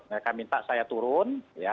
mereka minta saya turun